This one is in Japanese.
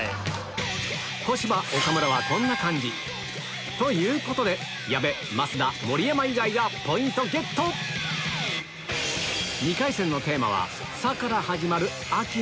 小芝岡村はこんな感じということで矢部増田盛山以外がポイントゲット左下。